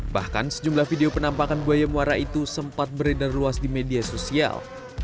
bahkan sejumlah video penampakan buaya muara itu sempat beredar luas di media sosial